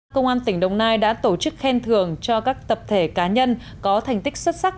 công an tỉnh đồng nai đã tổ chức khen thưởng cho các tập thể cá nhân có thành tích xuất sắc